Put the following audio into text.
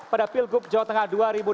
pada pilgub jawa tengah dua ribu delapan belas